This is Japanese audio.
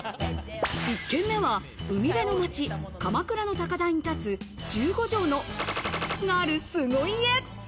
１軒目は海辺の街・鎌倉の高台に建つ１５畳のがある凄家。